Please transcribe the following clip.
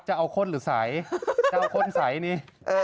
เจ้าข้นหรือใสเจ้าข้นใสนี่